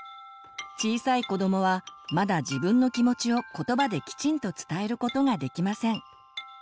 小さい子どもはまだ自分の気持ちを言葉できちんと伝えることができません。